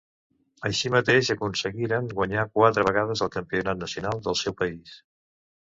Així mateix aconseguiren guanyar quatre vegades el campionat nacional del seu país.